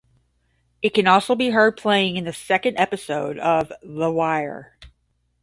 It can also be heard playing in the second episode of "The Wire".